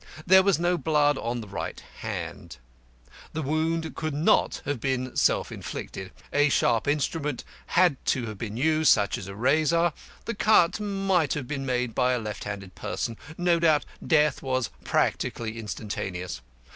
There was no blood on the right hand. The wound could not have been self inflicted. A sharp instrument had been used, such as a razor. The cut might have been made by a left handed person. No doubt death was practically instantaneous.